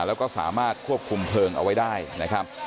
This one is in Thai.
แล้วก็สามารถควบคุมเพลิงเอาไว้ได้นะครับ